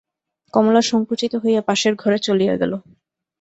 কমলা সংকুচিত হইয়া পাশের ঘরে চলিয়া গেল।